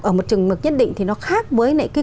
ở một trường mực nhất định thì nó khác với